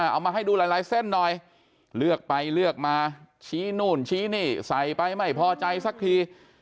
เอามาให้ดูหลายเส้นหน่อยเลือกไปเลือกมาชี้นู่นชี้นี่ใส่ไปไม่พอใจสักที